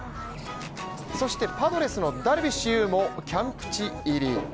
そしてパドレスのダルビッシュ有もキャンプ地入り。